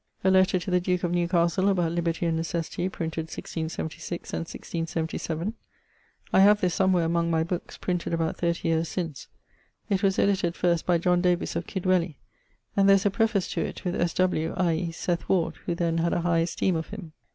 A letter to the duke of Newcastle about liberty and necessity, printed 1676, and 1677. [I have this somewhere among my bookes, printed about 30 yeares since. It was edited first by John Davys of Kidwelly; and there is a preface to it with S. W., i.e. Seth Ward, who then had a high esteeme of him.